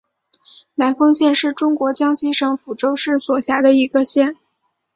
南丰县是中国江西省抚州市所辖的一个县。